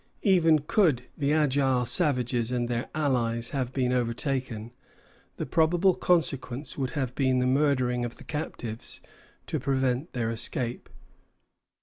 Even could the agile savages and their allies have been overtaken, the probable consequence would have been the murdering of the captives to prevent their escape.